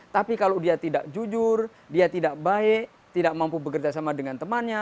tapi kalau dia tidak jujur dia tidak baik tidak mampu bekerja sama dengan temannya